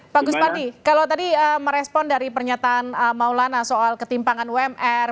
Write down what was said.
pak gus pardi kalau tadi merespon dari pernyataan maulana soal ketimpangan umr